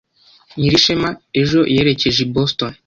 Nyirishema ejo yerekeje i Boston.